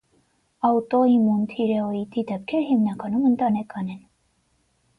Աուտոիմուն թիրեոիդիտի դեպքերը հիմնականում ընտանեկան են։